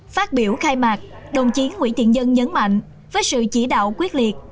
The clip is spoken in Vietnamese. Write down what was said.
phát biểu khai mạc đồng chí nguyễn thiện nhân nhấn mạnh với sự chỉ đạo quyết liệt